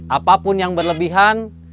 apapun yang berlebihan